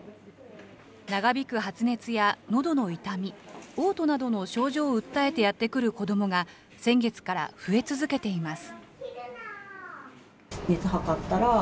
長引く発熱やのどの痛み、おう吐などの症状を訴えてやって来る子どもが先月から増え続けています。